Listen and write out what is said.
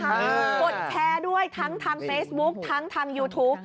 กดแชร์ด้วยทั้งทางเฟซบุ๊คทั้งทางยูทูป